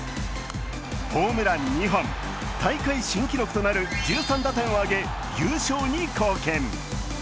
ホームラン２本、大会新記録となる１３打点をあげ、優勝に貢献。